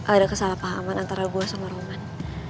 ada kesalahpahaman antara gua sama roman